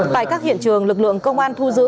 tại các hiện trường lực lượng công an thu giữ